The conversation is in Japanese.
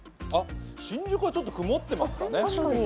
新宿はちょっと曇っていますね。